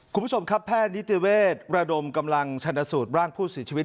คุณผู้ชมครับแพทย์นิติเวศระดมกำลังชนสูตรร่างผู้เสียชีวิต